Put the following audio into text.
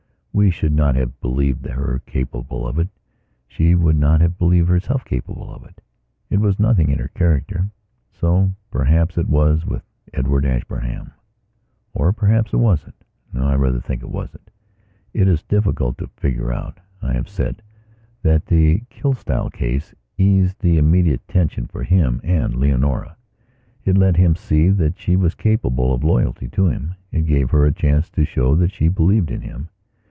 We should not have believed her capable of it; she would not have believed herself capable of it. It was nothing in her character. So, perhaps, it was with Edward Ashburnham. Or, perhaps, it wasn't. No, I rather think it wasn't. It is difficult to figure out. I have said that the Kilsyte case eased the immediate tension for him and Leonora. It let him see that she was capable of loyalty to him; it gave her her chance to show that she believed in him.